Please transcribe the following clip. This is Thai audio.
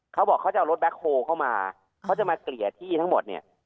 เขาบอกเขาจะเอารถแบ็คโฮลเข้ามาเขาจะมาเกลี่ยที่ทั้งหมดเนี่ย